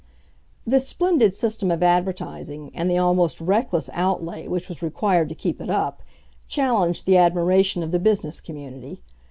This splendid system of advertising, and the almost reckless outlay which was required to keep it up, challenged the admiration of the business community.